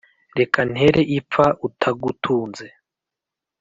Reka ntere ipfa utagutunze,